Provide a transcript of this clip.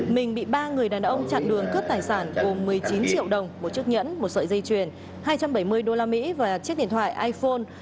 mình bị ba người đàn ông chặn đường cướp tài sản gồm một mươi chín triệu đồng một chiếc nhẫn một sợi dây chuyền hai trăm bảy mươi usd và chiếc điện thoại iphone